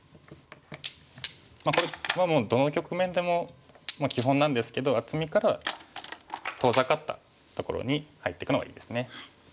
これはどの局面でも基本なんですけど厚みからは遠ざかったところに入っていくのがいいですね。